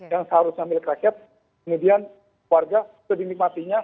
yang seharusnya milik rakyat kemudian warga sudah dinikmatinya